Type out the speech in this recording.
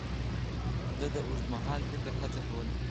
ده د اوږدمهاله فکر هڅه کوله.